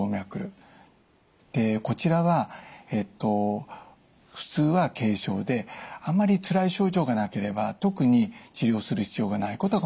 こちらは普通は軽症であまりつらい症状がなければ特に治療する必要がないことが多いです。